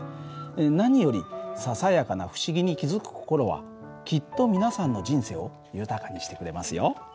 何よりささやかな不思議に気付く心はきっと皆さんの人生を豊かにしてくれますよ。